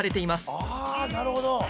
ああなるほど。